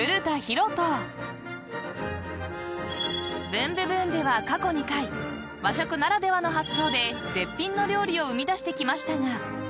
［『ブンブブーン！』では過去２回和食ならではの発想で絶品の料理を生み出してきましたが］